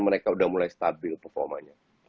mereka sudah mulai stabil performanya